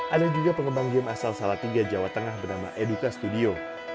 ada juga pengembang game asal salatiga jawa tengah bernama eduka studio